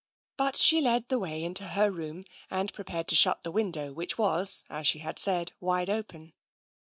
But she led the way into her room and prepared to shut the window, which was, as she had said, wide open.